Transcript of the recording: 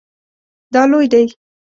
دا لوی دی